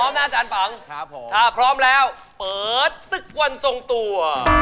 นะอาจารย์ปังครับผมถ้าพร้อมแล้วเปิดศึกวันทรงตัว